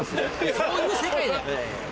そういう世界だ。